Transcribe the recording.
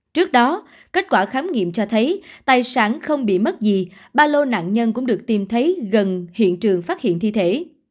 trước đó kết quả khám nghiệm cho thấy tài sản không bị mất gì ba lô nạn nhân cũng được tìm thấy gần hiện trường phát hiện thi thể